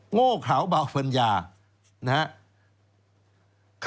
โง่เขาเบาฟันยานะครับ